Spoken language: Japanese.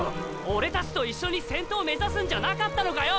⁉オレたちと一緒に先頭目指すんじゃなかったのかよ